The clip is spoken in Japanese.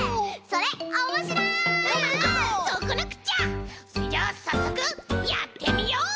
それじゃあさっそくやってみよう！